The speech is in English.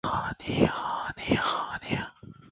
All routes at this garage are dispatched from this garage.